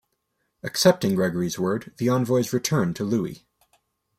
Accepting Gregory's word, the envoys returned to Louis.